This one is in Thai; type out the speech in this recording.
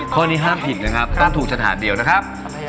ข้อนี้ห้ามผิดนะครับต้องถูกสถานเดียวนะครับ